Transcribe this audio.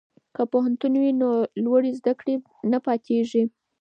که پوهنتون وي نو لوړې زده کړې نه پاتیږي.